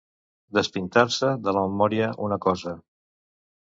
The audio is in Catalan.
Despintar-se de la memòria una cosa.